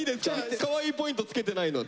カワイイポイントつけてないので。